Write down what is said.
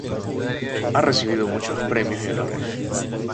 Ha recibido muchos premios y honores.